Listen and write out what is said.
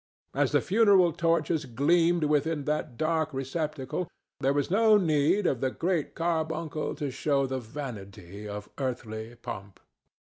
As the funeral torches gleamed within that dark receptacle, there was no need of the Great Carbuncle to show the vanity of earthly pomp.